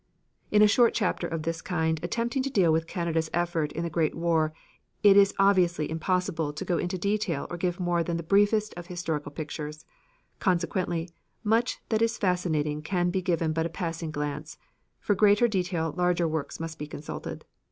In a short chapter of this kind attempting to deal with Canada's effort in the great war it is obviously impossible to go into detail or give more than the briefest of historical pictures. Consequently much that is fascinating can be given but a passing glance: for greater detail larger works must be consulted.